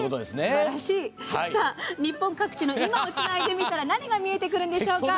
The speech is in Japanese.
日本各地の今をつないでみたら何が見えてくるんでしょうか。